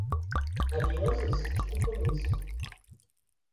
Alianças de compromisso